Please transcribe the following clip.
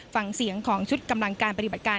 ฟังเสียงของชุดกำลังการปฏิบัติการ